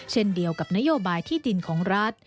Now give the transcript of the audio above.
เช่นเดียวกับนโยบายที่ดินของรัฐ